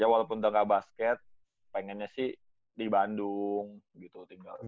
ya walaupun tengah basket pengennya sih di bandung gitu